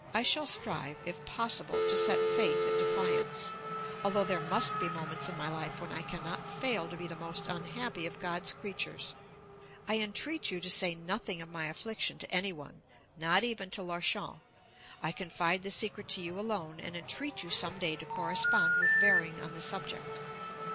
I shall strive if possible to set Fate at defiance, although there must be moments in my life when I cannot fail to be the most unhappy of God's creatures. I entreat you to say nothing of my affliction to any one, not even to Lorchen. I confide the secret to you alone, and entreat you some day to correspond with Vering on the subject.